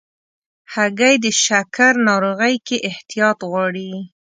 هګۍ د شکر ناروغۍ کې احتیاط غواړي.